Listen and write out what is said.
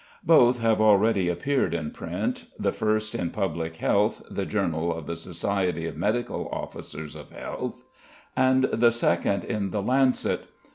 Both have already appeared in print; the first in Public Health, the journal of the Society of Medical Officers of Health; and the second in the Lancet.